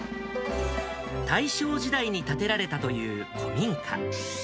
大正時代に建てられたという古民家。